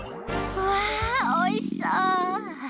わあおいしそう。